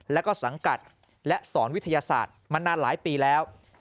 แล้วก็สังกัดและสอนวิทยาศาสตร์มานานหลายปีแล้ว